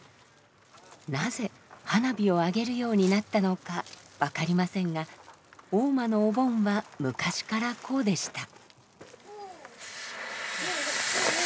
なぜ花火をあげるようになったのか分かりませんが大間のお盆は昔からこうでした。